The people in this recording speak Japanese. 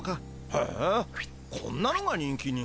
へえこんなのが人気に。